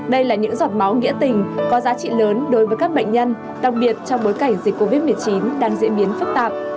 đây là những giọt máu nghĩa tình có giá trị lớn đối với các bệnh nhân đặc biệt trong bối cảnh dịch covid một mươi chín đang diễn biến phức tạp